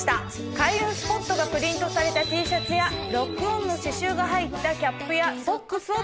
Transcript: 開運スポットがプリントされたＴシャツやＬＯＣＫ−ＯＮの刺しゅうが入ったキャップやソックスを展開。